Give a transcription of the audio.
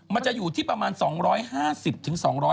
มันจะอยู่ที่ประมาณ๒๕๐๒๐๐